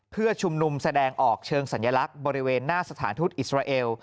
เพื่อชุมนุมแสดงออกเชิงสัญลักษณ์บริเวณหน้าสถานทูตอิสราเอล